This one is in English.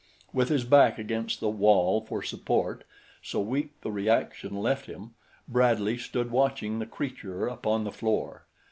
With his back against the wall for support, so weak the reaction left him, Bradley stood watching the creature upon the floor.